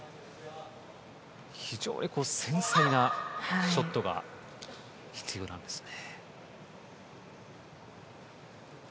非常に繊細なショットが必要なんですね。